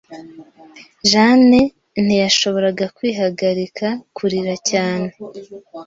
Jane ntiyashoboraga kwihagarika kurira cyane.